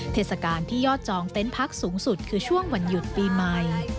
เทศกาลที่ยอดจองเต็นต์พักสูงสุดคือช่วงวันหยุดปีใหม่